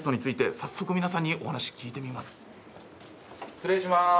失礼します。